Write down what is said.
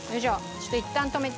ちょっといったん止めて。